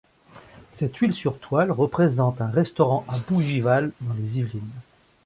Cette huile sur toile représente un restaurant à Bougival, dans les Yvelines.